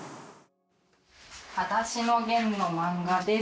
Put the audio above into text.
『はだしのゲン』の漫画です。